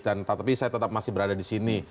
dan tetapi saya tetap masih berada di sini